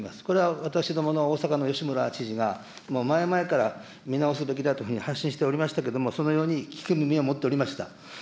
これは私どもの大阪の吉村知事が、もう前々から見直すべきだというふうに発信しておりましたけれども、そのように、聞く耳を持っておりました。